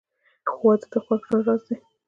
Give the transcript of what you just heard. • واده د خوښ ژوند راز دی.